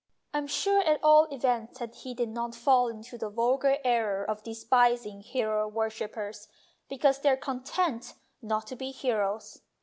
I am sure at all events that he did not fall into the vulgar error of despising 224 THE GIFT OF APPRECIATION 225 hero worshippers because they are content not to be heroes.